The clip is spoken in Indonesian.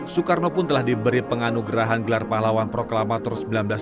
soekarno pun telah diberi penganugerahan gelar pahlawan proklamator seribu sembilan ratus sembilan puluh